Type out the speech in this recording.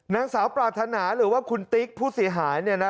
นางสาวปรารถนาหรือว่าคุณติ๊กผู้เสียหายเนี่ยนะ